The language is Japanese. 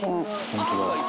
本当だ。